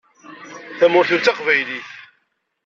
Tamurt-iw d taqbaylit.